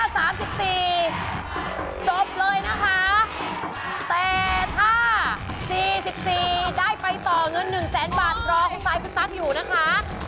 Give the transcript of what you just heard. ถ้า๓๔จบเลยนะคะแต่ถ้า๔๔ได้ไปต่อเงิน๑๐๐๐๐๐บาทรอไฟคุณตั๊กอยู่นะคะ